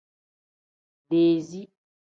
Dezii.